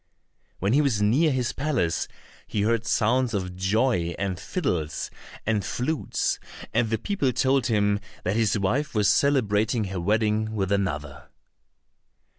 When he was near his palace, he heard sounds of joy, and fiddles, and flutes, and the people told him that his wife was celebrating her wedding with another.